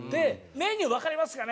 メニューわかりますかね？